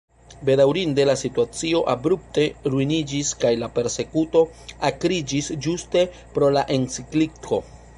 Bedaŭrinde la situacio abrupte ruiniĝis kaj la persekuto akriĝis ĝuste pro la encikliko.